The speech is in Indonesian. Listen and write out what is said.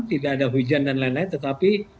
tidak ada hujan dan lain lain tetapi